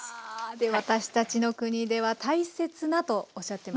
「私たちの国では大切な」とおっしゃってました